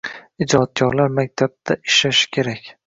Ijodkorlar maktabda ishlashikerak.